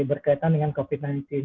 berkaitan dengan kemungkinan